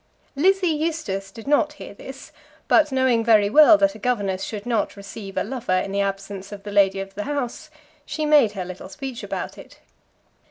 Lizzie Eustace did not hear this; but knowing very well that a governess should not receive a lover in the absence of the lady of the house, she made her little speech about it.